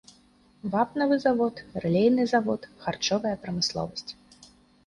Вапнавы завод, рэлейны завод, харчовая прамысловасць.